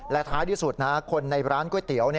และท้ายที่สุดคนในร้านก๋วยเตี๋ยว